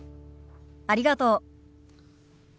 ありがとう。